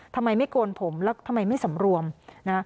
ทำไมไม่โกนผมแล้วทำไมไม่สำรวมนะ